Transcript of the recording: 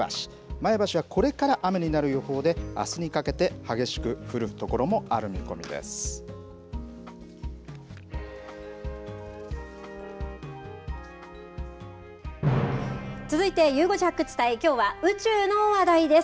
前橋は、これから雨になる予報であすにかけて続いてゆう５時発掘隊きょうは宇宙の話題です。